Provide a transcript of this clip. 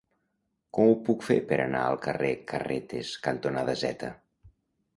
Com ho puc fer per anar al carrer Carretes cantonada Z?